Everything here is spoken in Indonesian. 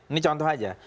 ini contoh saja